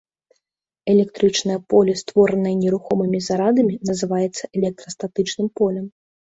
Электрычнае поле, створанае нерухомымі зарадамі, называецца электрастатычным полем.